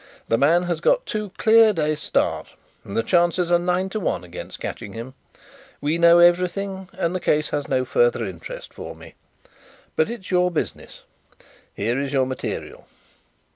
The man has got two clear days' start and the chances are nine to one against catching him. We know everything, and the case has no further interest for me. But it is your business. Here is your material.